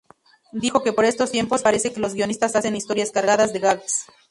Dijo que "Por estos tiempos, parece que los guionistas hacen historias cargadas de "gags".